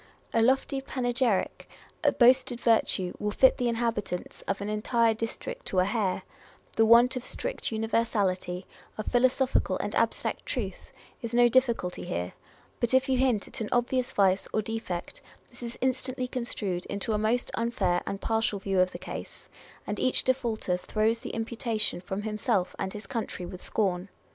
A lofty panegyric, a boasted virtue will fit the inhabitants of an entire district to a hair; the want of strict univer sality, of philosophical and abstract truth, is no difficulty here ; but if you hint at an obvious vice or defect, this is instantly construed into a most unfair and partial view of the case, and each defaulter throws the imputation from himself and his country with scorn.